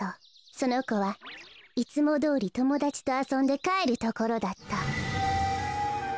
そのこはいつもどおりともだちとあそんでかえるところだった。